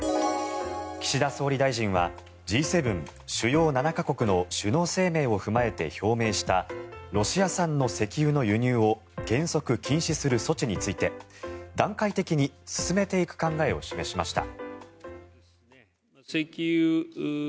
岸田総理大臣はＧ７・主要７か国の首脳声明を踏まえて表明したロシア産の石油の輸入を原則禁止する措置について段階的に進めていく考えを示しました。